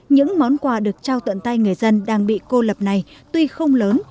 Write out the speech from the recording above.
những món quà được trao tuận tay người dân đang bị cô lập này tuy không lớn